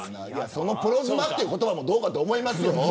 そのプロ妻という言葉もどうかと思いますよ。